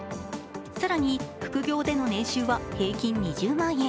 更に、副業での年収は平均２０万円。